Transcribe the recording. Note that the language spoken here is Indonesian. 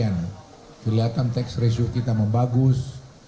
kelihatan tax ratio kita membagus